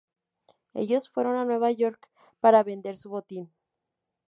Ellos fueron a Nueva York para vender su botín.